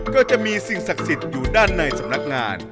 ก็จะมีสิ่งศักดิ์สิทธิ์อยู่ด้านในสำนักงาน